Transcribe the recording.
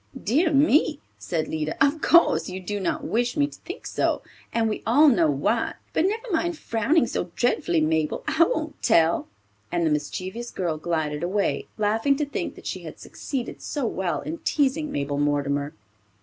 "Dear me," said Lida. "Of course you do not wish me to think so, and we all know why; but never mind frowning so dreadfully, Mabel; I won't tell!" and the mischievous girl glided away, laughing to think that she had succeeded so well in teasing Mabel Mortimer.